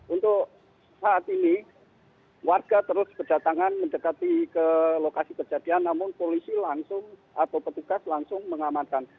untuk saat ini warga terus berdatangan mendekati ke lokasi kejadian namun polisi langsung atau petugas langsung mengamankan